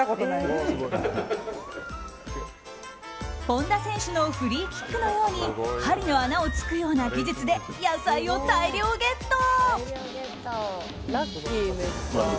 本田選手のフリーキックのように針の穴を突くような技術で野菜を大量ゲット。